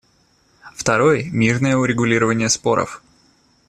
Второй — мирное урегулирование споров.